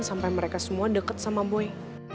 sampai mereka semua deket sama boy